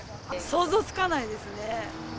想像つかないですね。